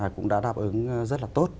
cũng đã đáp ứng rất là tốt